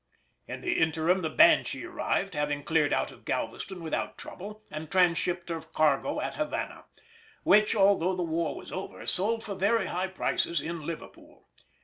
In the interim the Banshee arrived, having cleared out of Galveston without trouble and transhipped her cargo at Havana, which, although the war was over, sold for very high prices in Liverpool.